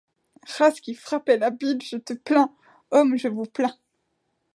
Race qui frappes et lapides, Je te plains ! hommes, je vous plains !